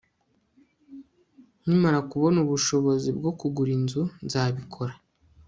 nkimara kubona ubushobozi bwo kugura inzu, nzabikora